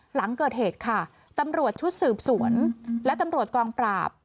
หลังเกิดเหตุค่ะตำรวจชุดสืบสวนและตำรวจกองปราบ